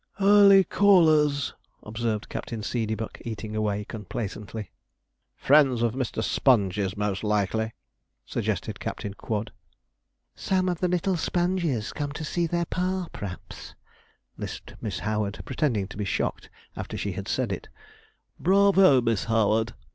'Early callers,' observed Captain Seedeybuck, eating away complacently. 'Friends of Mr. Sponge's, most likely,' suggested Captain Quod. 'Some of the little Sponges come to see their pa, p'raps,' lisped Miss Howard, pretending to be shocked after she had said it. 'Bravo, Miss Howard!'